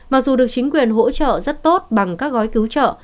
mặc dù được chính quyền hỗ trợ rất tốt bằng các gói cứu trợ